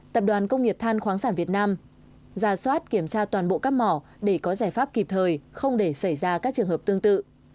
tập đoàn công nghiệp than khoáng sản việt nam ra soát kiểm tra toàn bộ các mỏ để có giải pháp kịp thời không để xảy ra các trường hợp tương tự